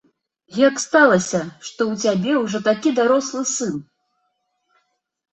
Як сталася, што ў цябе ўжо такі дарослы сын?